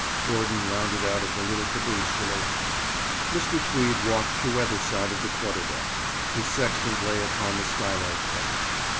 Gordon rounded out of the little caboose with a laugh. Mr. Tweed walked the weather side of the quarter deck; his sextant lay upon the skylight cover.